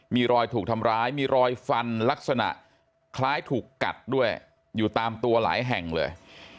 มีรอยถูกทำร้ายมีรอยฟันลักษณะคล้ายถูกกัดด้วยอยู่ตามตัวหลายแห่งเลย